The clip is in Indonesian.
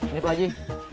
ini pak ji